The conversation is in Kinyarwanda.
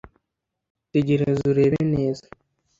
tegereza urebe neza